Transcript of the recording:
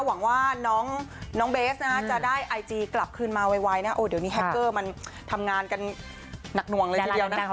หวังว่าน้องเบสนะฮะจะได้ไอจีกลับคืนมาไวนะโอ้เดี๋ยวนี้แฮคเกอร์มันทำงานกันหนักหน่วงเลยทีเดียวนะคะ